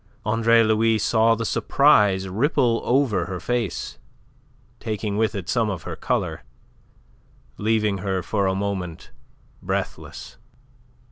Andre Louis saw the surprise ripple over her face, taking with it some of her colour, leaving her for a moment breathless.